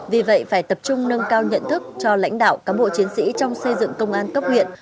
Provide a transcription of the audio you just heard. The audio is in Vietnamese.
vì vậy phải tập trung nâng cao nhận thức cho lãnh đạo cán bộ chiến sĩ trong xây dựng công an cấp huyện